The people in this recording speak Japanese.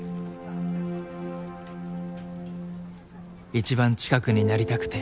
一番近くになりたくて。